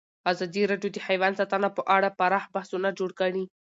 ازادي راډیو د حیوان ساتنه په اړه پراخ بحثونه جوړ کړي.